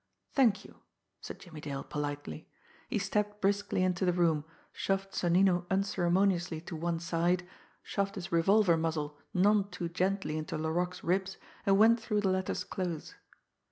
"Thank you!" said Jimmie Dale politely. He stepped briskly into the room, shoved Sonnino unceremoniously to one side, shoved his revolver muzzle none too gently into Laroque's ribs, and went through the latter's clothes.